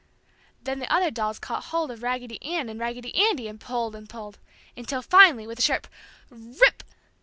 Then the other dolls caught hold of Raggedy Ann and Raggedy Andy and pulled and pulled, until finally, with a sharp "R R Rip!"